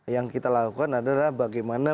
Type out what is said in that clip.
yang kita lakukan adalah bagaimana